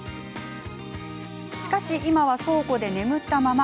しかし、今は倉庫で眠ったまま。